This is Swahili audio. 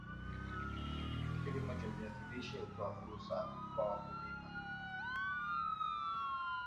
Kilimo cha viazi lishe hutoa fursa kwa wakulima